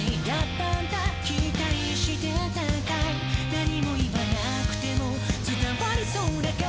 「何も言わなくても伝わりそうだから」